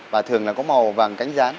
và thường là có màu vàng cánh rán